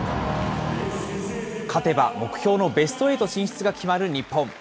勝てば目標のベストエイト進出が決まる日本。